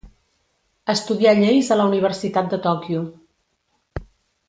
Estudià lleis a la Universitat de Tòquio.